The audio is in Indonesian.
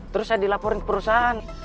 terus saya dilaporin ke perusahaan